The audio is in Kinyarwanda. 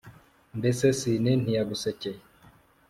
mbese sine ntiyagusekeye